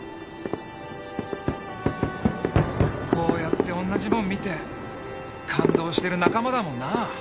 こうやっておんなじもん見て感動してる仲間だもんな。